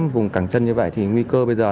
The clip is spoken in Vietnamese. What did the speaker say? vùng càng chân như vậy thì nguy cơ bây giờ